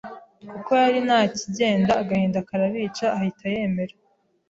kuko yari nta kigenda, agahinda karabica, ahita yemera